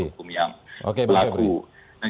hukum yang berlaku